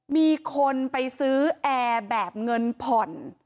มีคนไปซื้อแอร์แบบเงินผ่อน